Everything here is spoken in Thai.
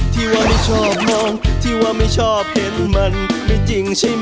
ที่ว่าไม่ชอบมองที่ว่าไม่ชอบเห็นมันไม่จริงใช่ไหม